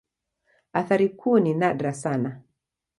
Athari kuu ni nadra sana.